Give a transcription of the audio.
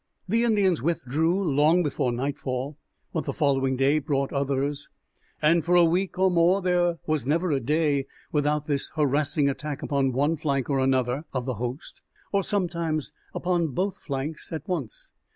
The Indians withdrew long before nightfall; but the following day brought others, and for a week or more there was never a day without this harassing attack upon one flank or another of the host, or sometimes upon both flanks at once.